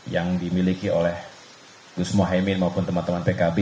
yang dimiliki oleh gusmo haimin maupun teman teman pkb